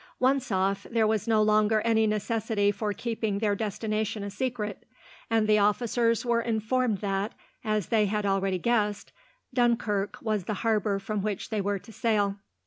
Once off, there was no longer any necessity for keeping their destination a secret, and the officers were informed that, as they had already guessed, Dunkirk was the harbour from which they were to sail.